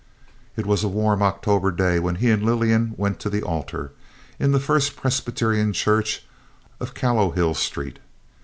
It was a warm October day when he and Lillian went to the altar, in the First Presbyterian Church of Callowhill Street.